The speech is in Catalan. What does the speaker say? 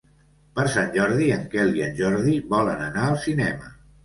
Per Sant Jordi en Quel i en Jordi volen anar al cinema.